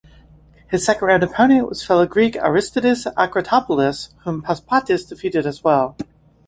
His second round opponent was fellow Greek Aristidis Akratopoulos, whom Paspatis defeated as well.